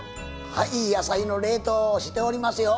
はい野菜の冷凍しておりますよ！